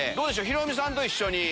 ヒロミさんと一緒に。